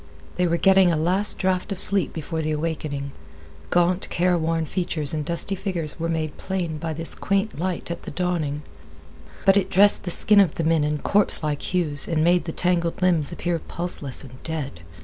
They were getting a last draught of sleep before the awakening. The gaunt, careworn features and dusty figures were made plain by this quaint light at the dawning, but it dressed the skin of the men in corpse like hues and made the tangled limbs appear pulseless and dead.